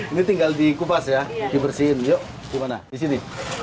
ini tinggal dikupas ya dibersihin yuk gimana di sini